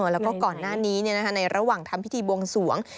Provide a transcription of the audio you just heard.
แล้วก็ก่อนหน้านี้ในระหว่างทำพิธีบวงสวง